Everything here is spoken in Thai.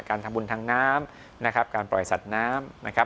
การทำบุญทางน้ำนะครับการปล่อยสัตว์น้ำนะครับ